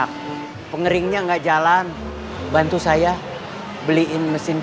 kerjaan udah beres